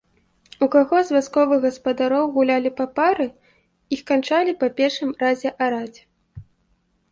У каго з вясковых гаспадароў гулялі папары, іх канчалі па першым разе араць.